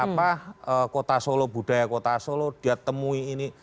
apa kota solo budaya kota solo dia temui ini